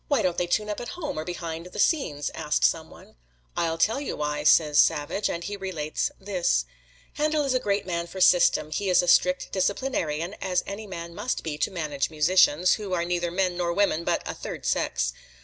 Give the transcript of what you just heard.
"Why don't they tune up at home, or behind the scenes?" asks some one. "I'll tell you why," says Savage, and he relates this: "Handel is a great man for system he is a strict disciplinarian, as any man must be to manage musicians, who are neither men nor women, but a third sex.